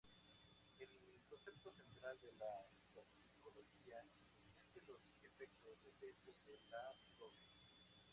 El concepto central de la toxicología es que los efectos dependen de la dosis.